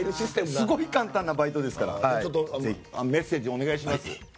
すごい簡単なバイトですからメッセージ、お願いします。